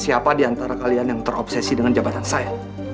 siapa diantara kalian yang terobsesi dengan jabatan saya